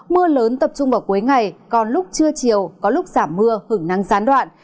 mưa lớn tập trung vào cuối ngày còn lúc trưa chiều có lúc giảm mưa hưởng năng sán đoạn